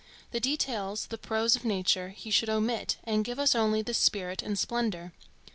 The details, the prose of nature he should omit and give us only the spirit and splendor.